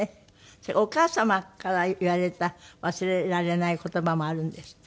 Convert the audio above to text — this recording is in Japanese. それでお母様から言われた忘れられない言葉もあるんですって？